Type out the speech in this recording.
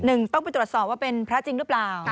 หนึ่งต้องไปตรวจสอบว่าเป็นพระจริงหรือเปล่า